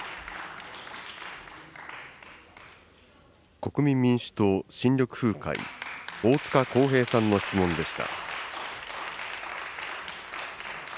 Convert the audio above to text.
国民民主党・新緑風会、大塚耕平さんの質問でした。